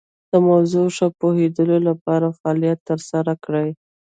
د موضوع ښه پوهیدو لپاره فعالیت تر سره کړئ.